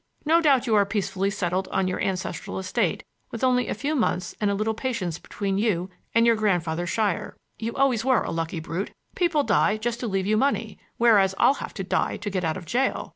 No doubt you are peacefully settled on your ancestral estate with only a few months and a little patience between you and your grandfather's shier. You always were a lucky brute. People die just to leave you money, whereas I'll have to die to get out of jail.